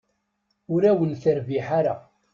Ur awen-terbiḥ ara.